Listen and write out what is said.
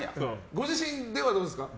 ご自身ではどうですか？